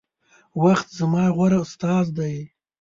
وخت زما غوره استاذ دے